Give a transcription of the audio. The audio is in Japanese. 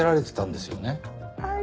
はい。